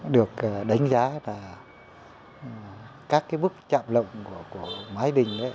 được đánh giá là các cái bức chạm lộng của mái đình đấy